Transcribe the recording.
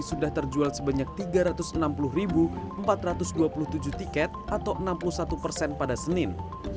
sudah terjual sebanyak tiga ratus enam puluh empat ratus dua puluh tujuh tiket atau enam puluh satu persen pada senin